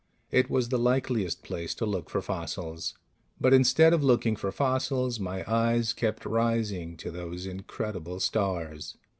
It was the likeliest place to look for fossils. But instead of looking for fossils, my eyes kept rising to those incredible stars.